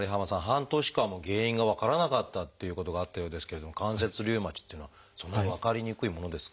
半年間も原因が分からなかったっていうことがあったようですけれども関節リウマチっていうのはそんなに分かりにくいものですか？